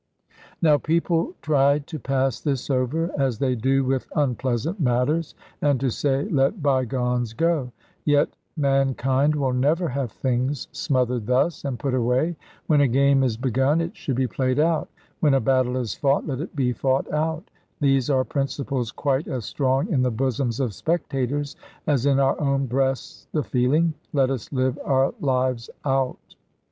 Now people tried to pass this over, as they do with unpleasant matters, and to say, "let bygones go;" yet mankind will never have things smothered thus, and put away. When a game is begun, it should be played out: when a battle is fought, let it be fought out these are principles quite as strong in the bosoms of spectators, as in our own breasts the feeling "let us live our lives out."